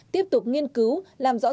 tiếp tục nghiên cứu làm rõ thêm